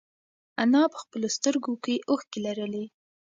انا په خپلو سترگو کې اوښکې لرلې.